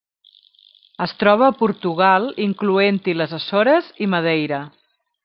Es troba a Portugal, incloent-hi les Açores i Madeira.